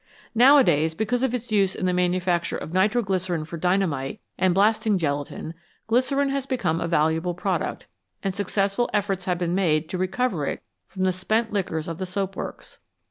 Nowadays, because of its use in the manufacture of nitro glycerine for dynamite and blasting gelatin, glycerine has become a valuable product, and successful efforts have been made to recover it from the spent liquors of the soap works.